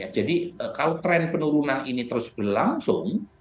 jadi kalau tren penurunan ini terus berlangsung